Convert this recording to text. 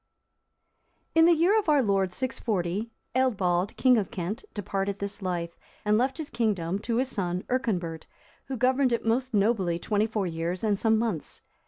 ] In the year of our Lord 640, Eadbald,(331) king of Kent, departed this life, and left his kingdom to his son Earconbert, who governed it most nobly twenty four years and some months.